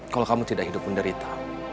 kalau kamu tidak hidup menderita